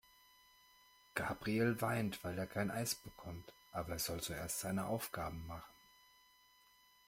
Gabriel weint, weil er kein Eis bekommt. Aber er soll zuerst seine Aufgaben machen.